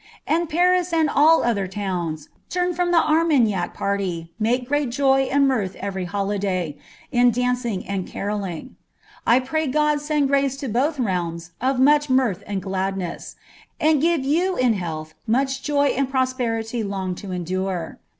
And Paris and all other towns, turned from die Armagnac party, make great joy and mirth every holiday, in dancing and DBiolling. I pray God send grace to both realms, of much mirth and gladiiess, tnd give you in health much joy and prosperity long to endure.